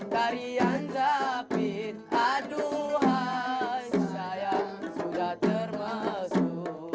tarian zapin aduh hasayang sudah termasuk